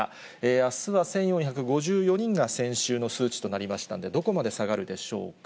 あすは１４５４人が先週の数値となりましたんで、どこまで下がるでしょうか。